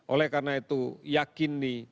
oleh karena itu yakin nih